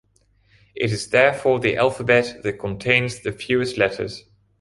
It is therefore the alphabet that contains the fewest letters.